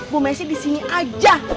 bu messi di sini aja